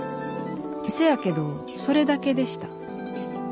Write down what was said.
せやけどそれだけでした」。